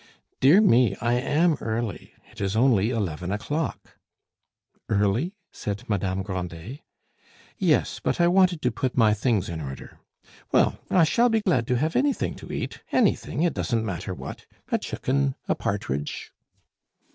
"Dear me! I am early, it is only eleven o'clock!" "Early?" said Madame Grandet. "Yes; but I wanted to put my things in order. Well, I shall be glad to have anything to eat, anything, it doesn't matter what, a chicken, a partridge."